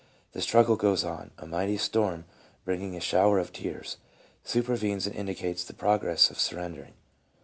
The struggle goes on ; "a mighty storm, bringing a shower of tears," supervenes and indicates the progress of surrendering.